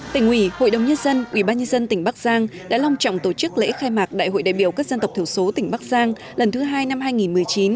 tỉnh ủy hội đồng nhân dân ubnd tỉnh bắc giang đã long trọng tổ chức lễ khai mạc đại hội đại biểu các dân tộc thiểu số tỉnh bắc giang lần thứ hai năm hai nghìn một mươi chín